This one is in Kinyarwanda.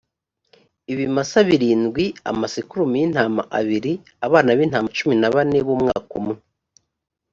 ibimasa birindwi, amasekurume y’intama abiri, abana b’intama cumi na bane b’umwaka umwe